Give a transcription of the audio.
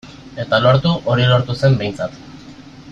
Eta lortu, hori lortu zen behintzat.